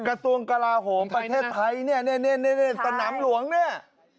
กระทรวงกระลาโหมประเทศไทยเนี่ยเนี่ยเนี่ยเนี่ยสนามหลวงเนี่ย